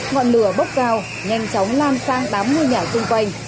ngọn lửa bốc cao nhanh chóng lan sang tám ngôi nhà xung quanh